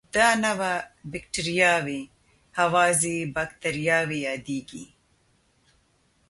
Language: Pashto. دا نوعه بکټریاوې هوازی باکتریاوې یادیږي.